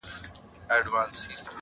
صبر تل مرسته کوي.